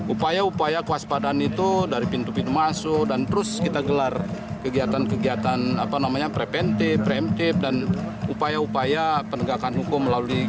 upaya upaya kewaspadaan itu dari pintu pintu masuk dan terus kita gelar kegiatan kegiatan apa namanya preventif preemptif dan upaya upaya penegakan hukum melalui